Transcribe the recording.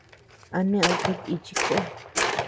¿A ñeʼed kuetíchi ko?